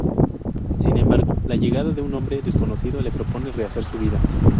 Sin embargo la llegada de un hombre desconocido le propone rehacer su vida.